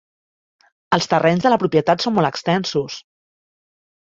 Els terrenys de la propietat són molt extensos.